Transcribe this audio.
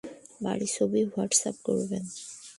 বাড়ির ছবি হোয়াটসঅ্যাপ করবেন।